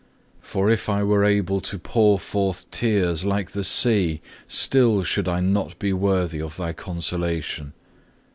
For if I were able to pour forth tears like the sea, still should I not be worthy of Thy consolation.